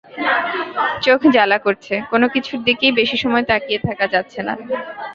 চোখ জ্বালা করছে, কোনো কিছুর দিকেই বেশি সময় তাকিয়ে থাকা যাচ্ছে না।